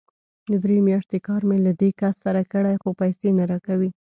درې مياشتې کار مې له دې کس سره کړی، خو پيسې نه راکوي!